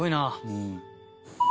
うん。